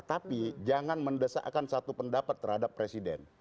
tapi jangan mendesakkan satu pendapat terhadap presiden